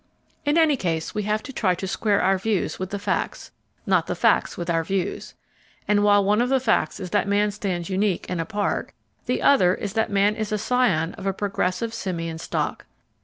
In any case, we have to try to square our views with the facts, not the facts with our views, and while one of the facts is that man stands unique and apart, the other is that man is a scion of a progressive simian stock.